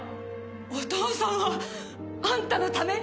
お父さんはあんたのために。